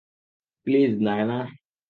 Please, Naina.